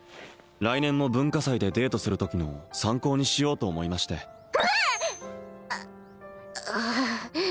来年も文化祭でデートするときの参考にしようと思いましてんあっ！